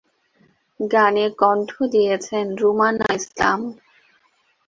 গানে কণ্ঠ দিয়েছেন রুমানা ইসলাম।